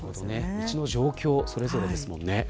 道の状況はそれぞれですもんね。